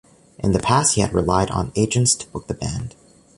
In the past he had relied on agents to book the band.